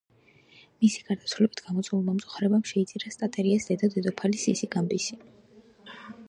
მისი გარდაცვალებით გამოწვეულმა მწუხარებამ შეიწირა სტატეირას დედა, დედოფალი სისიგამბისი.